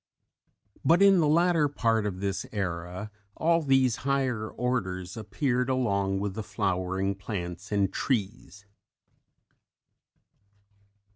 But in the latter part of this era, all these higher orders appeared along with the flowering plants and trees.